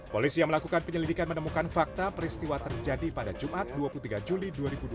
polisi yang melakukan penyelidikan menemukan fakta peristiwa terjadi pada jumat dua puluh tiga juli dua ribu dua puluh